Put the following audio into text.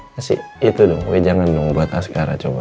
nanti itu dong jangan dong buat askara coba